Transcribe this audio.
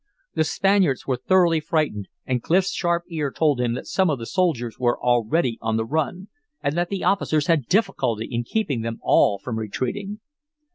The Spaniards were thoroughly frightened and Clif's sharp ear told him that some of the soldiers were already on the run, and that the officers had difficulty in keeping them all from retreating.